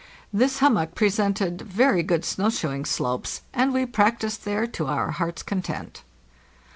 This hummock presented very good snow shoeing slopes, and we practised there to our heart's content.